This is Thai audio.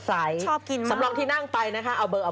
ชอบกินสำรองที่นั่งไปนะคะเอาเบอร์เอา